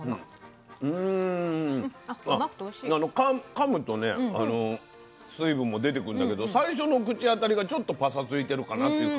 かむとね水分も出てくんだけど最初の口当たりがちょっとパサついてるかなって感じが。